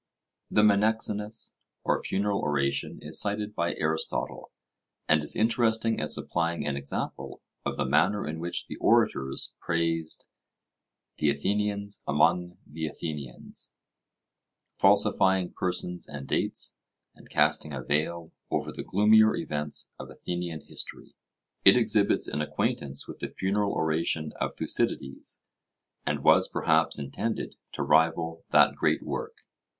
The Menexenus or Funeral Oration is cited by Aristotle, and is interesting as supplying an example of the manner in which the orators praised 'the Athenians among the Athenians,' falsifying persons and dates, and casting a veil over the gloomier events of Athenian history. It exhibits an acquaintance with the funeral oration of Thucydides, and was, perhaps, intended to rival that great work.